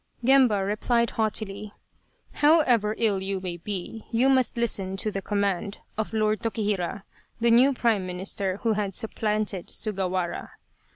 Gemba replied haughtily :" However ill you may be you must listen to the command of Lord Tokihira (the new Prime Minister who had supplanted Sugawara).